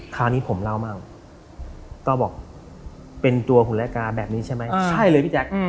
คราวนี้ผมเล่ามั่งก็บอกเป็นตัวหุ่นละกาแบบนี้ใช่ไหมใช่เลยพี่แจ๊ค